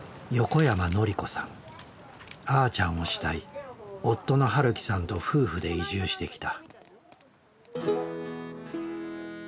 あーちゃんを慕い夫の晴樹さんと夫婦で移住してきた。